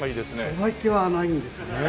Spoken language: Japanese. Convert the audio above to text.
商売っ気はないんですね。